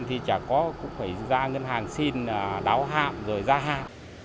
thì chả có cũng phải ra ngân hàng xin đáo hạm rồi ra hạm